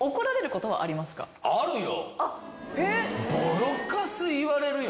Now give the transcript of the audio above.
あるよ。